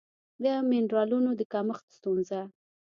د مېنرالونو د کمښت ستونزه